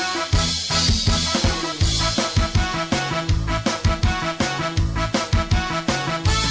ครับ